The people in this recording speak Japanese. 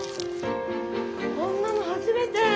こんなの初めて！